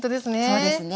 そうですね。